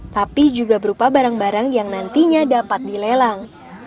tapi juga berupa barang barang yang nantinya dapat dilelang